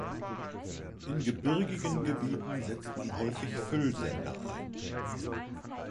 In gebirgigen Gebieten setzt man häufig Füllsender ein.